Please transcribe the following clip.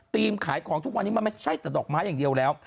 ขายของทุกวันนี้มันไม่ใช่แต่ดอกไม้อย่างเดียวแล้ว